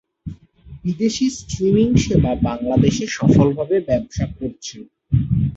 বিদেশি স্ট্রিমিং সেবা বাংলাদেশে সফলভাবে ব্যবসা করছে।